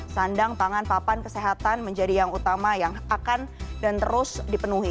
sandang tangan papan kesehatan menjadi yang utama yang akan dan terus dipenuhi